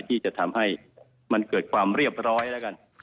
ที่จะทำให้มันเกิดความเรียบร้อยแล้วกัน